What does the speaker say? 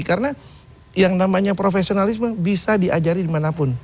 karena yang namanya profesionalisme bisa diajari dimanapun